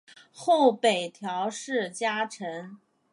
后北条氏家臣。